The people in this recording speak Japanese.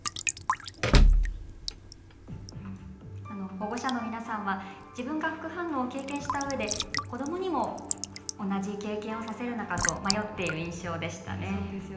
保護者の皆さんは自分が副反応を経験したうえで子どもにも同じ経験をさせるのかと迷っている印象でしたね。